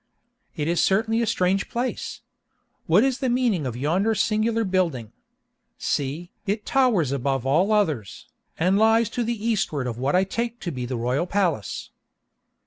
"It is certainly a strange place! What is the meaning of yonder singular building? See! it towers above all others, and lies to the eastward of what I take to be the royal palace!"